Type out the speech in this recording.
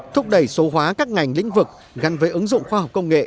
thúc đẩy số hóa các ngành lĩnh vực gắn với ứng dụng khoa học công nghệ